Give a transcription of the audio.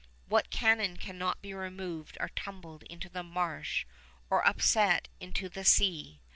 What cannon cannot be removed are tumbled into the marsh or upset into the sea.